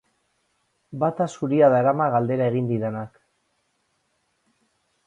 Bata zuria darama galdera egin didanak.